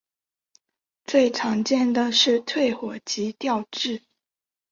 最常见的是退火及调质。